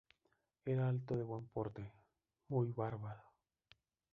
Era alto de buen porte, muy barbado.